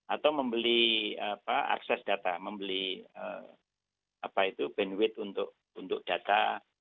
atau membeli apa akses data membeli apa itu bandwidth untuk data